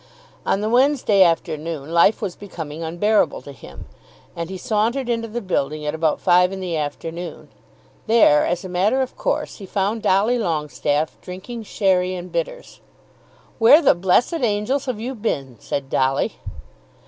On the Wednesday afternoon life was becoming unbearable to him and he sauntered into the building at about five in the afternoon. There, as a matter of course, he found Dolly Longestaffe drinking sherry and bitters. "Where the blessed angels have you been?" said Dolly.